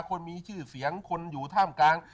คนมีชื่อเสียงคนอยู่ท่ามกลาง